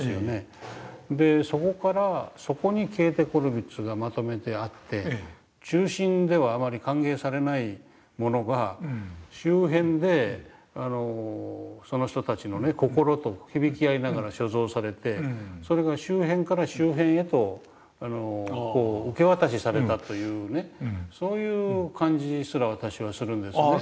そこからそこにケーテ・コルヴィッツがまとめてあって中心ではあまり歓迎されないものが周辺でその人たちの心と響き合いながら所蔵されてそれが周辺から周辺へと受け渡しされたというそういう感じすら私はするんですね。